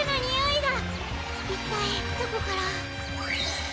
いったいどこから？